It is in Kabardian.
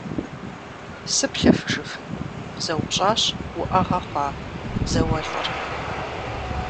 - Сыплъэфыжыфын? – къызэупщӀащ уӏэгъэ хъуа зауэлӏыр.